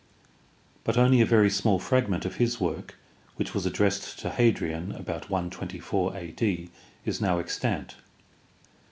But only a very small fragment of his work, which was addressed to Hadrian about 124 a.d., is now extant.